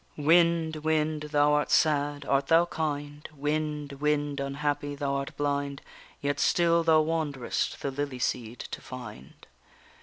_Wind, wind! thou art sad, art thou kind? Wind, wind, unhappy! thou art blind, Yet still thou wanderest the lily seed to find.